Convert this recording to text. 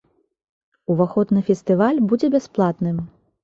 Уваход на фестываль будзе бясплатным.